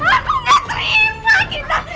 aku gak terima gita